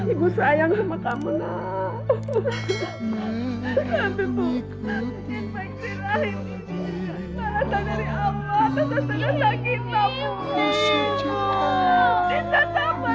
ibu sudah memaafkan kamu